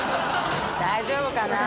大丈夫かな？